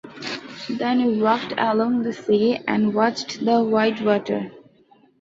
Then we walked along the sea and watched the white water.